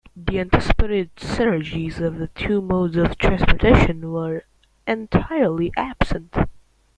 The anticipated synergies of the two modes of transportation were entirely absent.